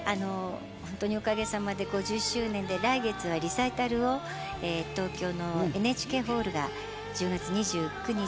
本当におかげさまで５０周年で来月はリサイタルを、東京のＮＨＫホールが１０月２９日。